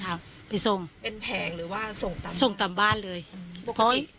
ทางเมืองก็ทำไปส่งเป็นแผงหรือว่าส่งต่ำส่งต่ำบ้านเลยอืมปกติ